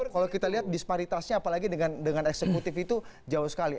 kalau kita lihat disparitasnya apalagi dengan eksekutif itu jauh sekali